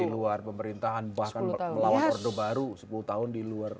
di luar pemerintahan bahkan melawan orde baru sepuluh tahun di luar